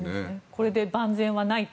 これで万全はないと。